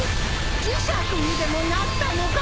磁石にでもなったのか！？